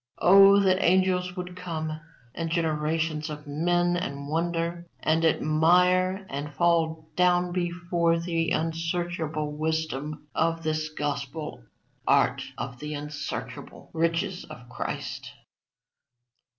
Oh that angels would come, and generations of men, and wonder, and admire, and fall down before the unsearchable wisdom of this gospel art of the unsearchable riches of Christ!"